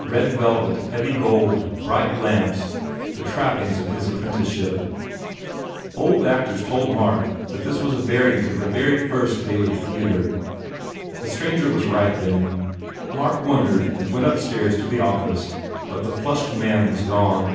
Red velvet, heavy gold, bright lamps the trappings of his apprenticeship. 54 FULL BLOOM Old actors told Mark that this was a variant of the first Daly theatre. The stranger was right, then. Mark wondered and went upstairs to the office but the flushed man was gone.